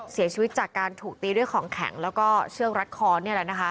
เสียชีวิตจากการถูกตีด้วยของแข็งแล้วก็เชือกรัดคอ